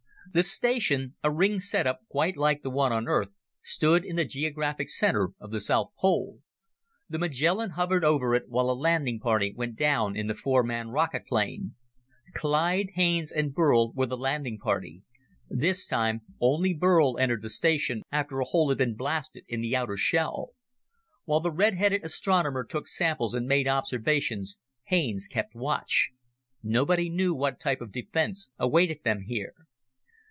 The station, a ringed setup quite like the one on Earth, stood in the geographic center of the south pole. The Magellan hovered over it while a landing party went down in the four man rocket plane. Clyde, Haines and Burl were the landing party. This time, only Burl entered the station after a hole had been blasted in the outer shell. While the redheaded astronomer took samples and made observations, Haines kept watch. Nobody knew what type of defense awaited them here.